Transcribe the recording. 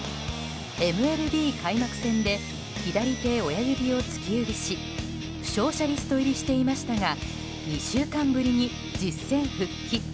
ＭＬＢ開幕戦で左手親指を突き指し負傷者リスト入りしていましたが２週間ぶりに実戦復帰。